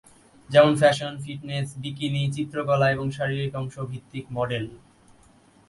যেমন: fashion, fitness, bikini, চিত্রকলা, এবং শারীরিক অংশ ভিত্তিক মডেল।